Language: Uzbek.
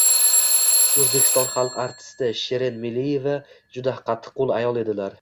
O‘zbekiston xalq artisti Shirin Meliyeva juda qattiqqo‘l ayol edilar.